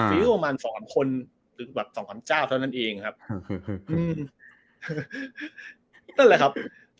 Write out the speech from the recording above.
อายุประมาณสองอันคนหรือแบบสองอันเจ้าเท่านั้นเองครับ